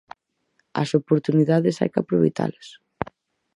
as oportunidades hai que aproveitalas.